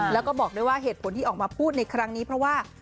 แล้วก็บอกด้วยว่าเหตุผลที่ออกมาพูดในครั้งนี้เพราะว่า